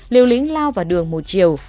liều lính lao vào đường một chiều